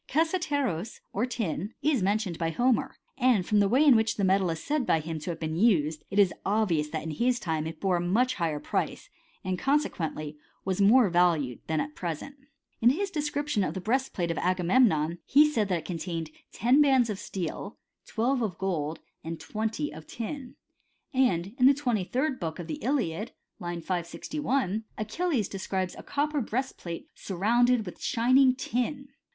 i Cassiteros, or tin, is mentioned by Homer; and^" from the way in which the metal is said by him t»' have been used, it is obvious that in his time it bom ft much higher price, and, consequently, was more valued than at present. In his description of the breastplate of Agamemnon^ he says that it contained ten bands CHBMISTRT OF THE AVCIEVTS, ^ of steel, twelve of gold, and twenty of tin (ca^inpoio).* And in the twenty third book of the Iliad (line 561), Achilles describes a copper breastplate surrounded with shining tin (^tivov Kcuratrepoio).